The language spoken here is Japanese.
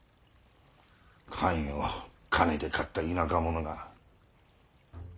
官位を金で買った田舎者が。